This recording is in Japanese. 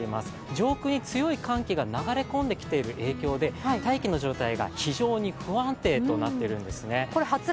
上空に強い寒気が流れ込んでいる影響で大気の状態が非常に不安定となっているんですね。